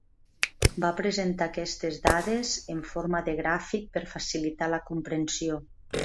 Va presentar aquestes dades en forma de gràfic per facilitar la comprensió.